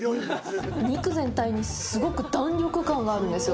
肉全体にすごく弾力感があるんですよ。